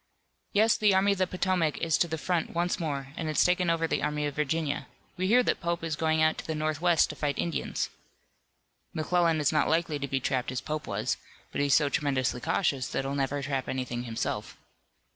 "Yes, the Army of the Potomac is to the front once more, and it's taken over the Army of Virginia. We hear that Pope is going out to the northwest to fight Indians." "McClellan is not likely to be trapped as Pope was, but he's so tremendously cautious that he'll never trap anything himself.